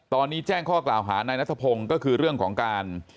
ตอนนี้แจ้งข้อกล่าวหานายนัทพงศ์ก็คือเรื่องของการ